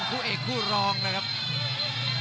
คมทุกลูกจริงครับโอ้โห